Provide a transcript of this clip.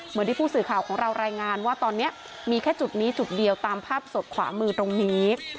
เหมือนที่ผู้สื่อข่าวของเรารายงานว่าตอนนี้มีแค่จุดนี้จุดเดียวตามภาพสดขวามือตรงนี้